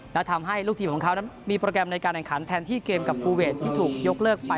และทำให้ลูกทีมของเขานั้นมีโปรแกรมในการแข่งขันแทนที่เกมกับคูเวทที่ถูกยกเลิกไป